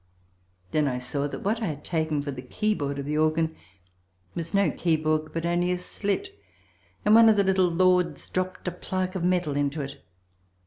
Then I saw that what I had taken for the keyboard of the organ was no keyboard but only a slit, and one of the little Lords dropped a plaque of metal into it.